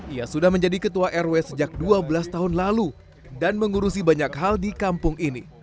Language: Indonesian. ia sudah menjadi ketua rw sejak dua belas tahun lalu dan mengurusi banyak hal di kampung ini